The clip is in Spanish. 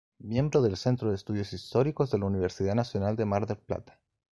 Miembro del Centro de Estudios Históricos de la Universidad Nacional de Mar del Plata.